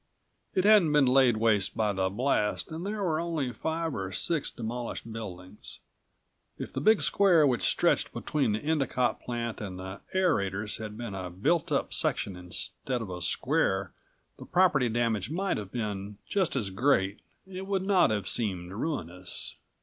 It hadn't been laid waste by the blast and there were only five or six demolished buildings. If the big square which stretched between the Endicott plant and the aerators had been a built up section instead of a square the property damage might have been just as great and would not have seemed ruinous.